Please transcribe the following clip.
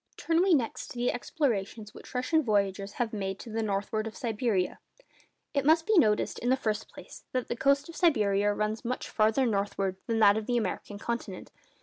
Turn we next to the explorations which Russian voyagers have made to the northward of Siberia. It must be noticed, in the first place, that the coast of Siberia runs much farther northward than that of the American continent.